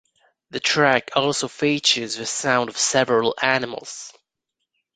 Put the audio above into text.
The track also features the sound of several animals.